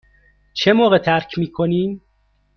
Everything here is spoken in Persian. چه موقع ترک می کنیم؟